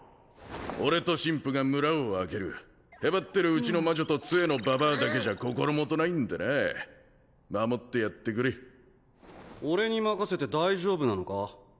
俺と神父が村を空けるへばってるうちの魔女と杖のババアだけじゃ心もとないんでな守ってやってくれ俺に任せて大丈夫なのか？